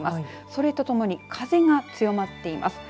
それとともに風が強まっています。